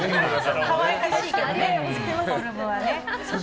可愛らしいけどね、フォルムは。